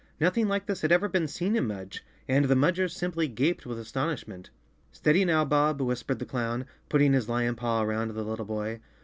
Nothing like this had ever been seen in Mudge, and the Mudgers simply gaped with astonishment. " Steady now, Bob," whispered the clown, putting his lion paw around the little boy.